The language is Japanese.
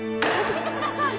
教えてください！